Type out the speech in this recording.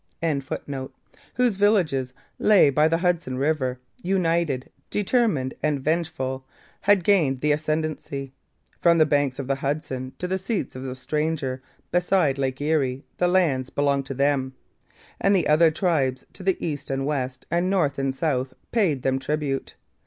] whose villages lay by the Hudson river, united, determined, and vengeful, had gained the ascendancy; from the banks of the Hudson to the seats of the stranger beside lake Erie the lands belonged to them; and other tribes to the east and west and north and south paid them tribute.